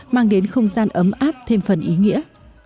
mang đến không gian ấm áp thêm phần ý nghĩa